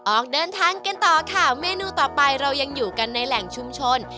ออกเดินทางกันต่อค่ะเมนูต่อไปเรายังอยู่กันในแหล่งชุมชน